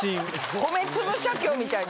米粒写経みたいに。